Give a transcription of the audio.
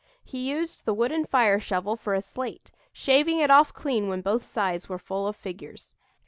He used the wooden fire shovel for a slate, shaving it off clean when both sides were full of figures.